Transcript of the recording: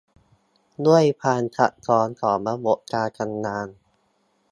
ด้วยความซับซ้อนของระบบการทำงาน